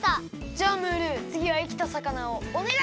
じゃムールつぎはいきた魚をおねがい！